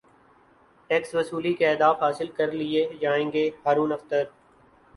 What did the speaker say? tax وصولی کے اہداف حاصل کرلئے جائیں گے ہارون اختر